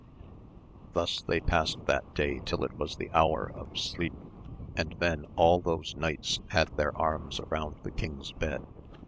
Thus they passed that day till it was the hour of sleep, and then all those knights had their arms around the king's bed.